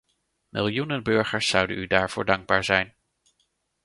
Miljoenen burgers zouden u daarvoor dankbaar zijn.